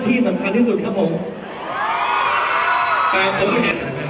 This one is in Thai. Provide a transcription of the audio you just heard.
เมื่อเวลาอันดับสุดท้ายมันกลายเป้าหมายเป้าหมาย